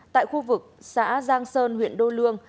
tại khu vực xã giang sơn huyện đô luông